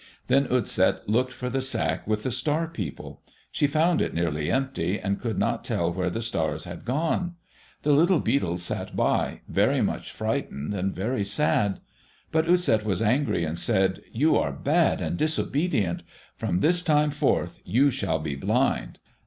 Then Utset looked for the sack with the Star People. She found it nearly empty and could not tell where the stars had gone. The little beetle sat by, very much frightened and very sad. But Utset was angry and said, "You are bad and disobedient. From this time forth, you shall be blind."